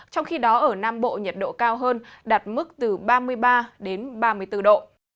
trong khi đó ở nam bộ nhiệt độ cao hơn đạt mức từ ba mươi ba đến ba mươi bốn độ